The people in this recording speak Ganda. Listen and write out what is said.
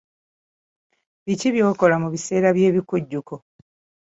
Biki by'okola mu biseera by'ebikujjuko?